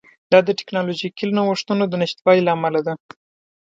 دا د ټکنالوژیکي نوښتونو د نشتوالي له امله ده